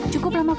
cukup lama vakum